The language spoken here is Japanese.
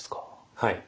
はい。